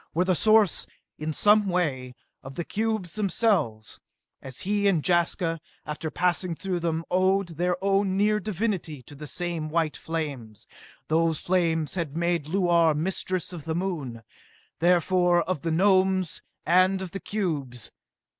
were the source, in some way, of the cubes themselves, as he and Jaska, after passing through them, owed their now near divinity to the same white flames! Those flames had made Luar mistress of the Moon therefore of the Gnomes and of the cubes!